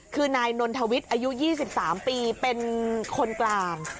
คือนายนนทวิทย์อายุ๒๓ปีเป็นคนกลาง